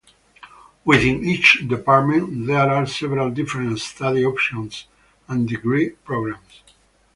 Within each department there are several different study options and degree programs.